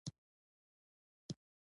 دښتې د طبیعت د ښکلا برخه ده.